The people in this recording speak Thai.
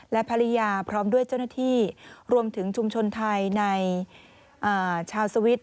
และภรรยาพร้อมด้วยเจ้าหน้าที่รวมถึงชุมชนไทยในชาวสวิตช์